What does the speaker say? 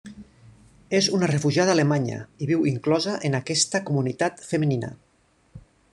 És una refugiada alemanya, i viu inclosa en aquesta comunitat femenina.